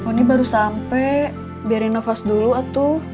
pony baru sampai biarin nafas dulu atuh